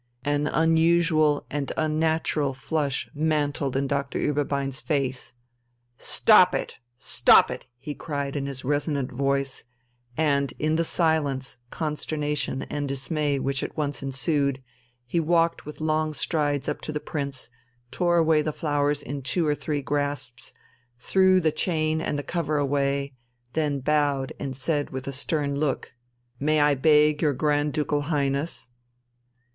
An unusual and unnatural flush mantled in Doctor Ueberbein's face. "Stop it! Stop it!" he cried in his resonant voice, and, in the silence, consternation, and dismay which at once ensued, he walked with long strides up to the Prince, tore away the flowers in two or three grasps, threw the chain and the cover away, then bowed and said with a stern look, "May I beg your Grand Ducal Highness